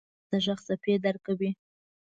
د اورېدو حس د غږ څپې درک کوي.